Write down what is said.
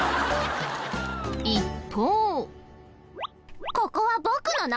一方。